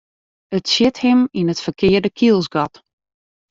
It sjit him yn it ferkearde kielsgat.